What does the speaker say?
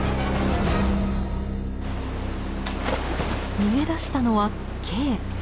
逃げ出したのはＫ。